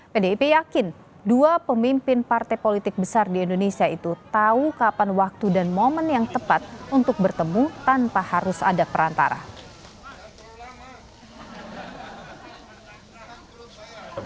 pdip yakin dua pemimpin partai politik besar di indonesia itu tahu kapan waktu dan momen yang tepat untuk bertemu tanpa harus ada perantara